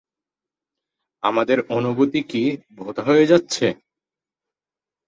আমাদের অনুভূতি কি ভোঁতা হয়ে যাচ্ছে?